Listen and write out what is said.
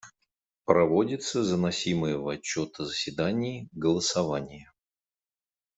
Проводится заносимое в отчет о заседании голосование.